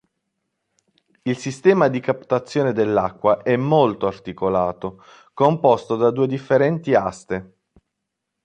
Il sistema di captazione dell'acqua è molto articolato, composto da due differenti aste.